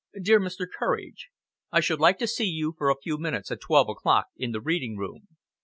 "DEAR MR. COURAGE, "I should like to see you for a few minutes at twelve o'clock in the reading room.